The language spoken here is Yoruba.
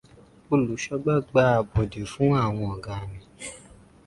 Olùṣọ́gbà gba àbọ̀dè fún àwọn ọ̀gá rẹ.